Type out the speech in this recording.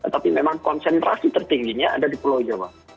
tapi memang konsentrasi tertingginya ada di pulau jawa